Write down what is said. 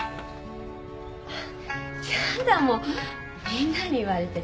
みんなに言われて。